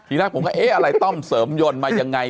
แรกผมก็เอ๊ะอะไรต้อมเสริมยนต์มายังไง